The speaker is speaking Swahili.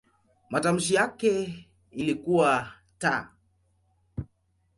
Matamshi yake ilikuwa "t".